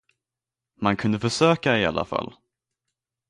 Man kunde försöka i alla fall.